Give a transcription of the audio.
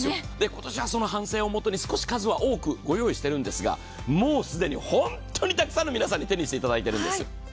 今年はその反省をもとに数は多くご用意しているんですが、もう既に本当にたくさんの皆さんに手にしていただいているんです。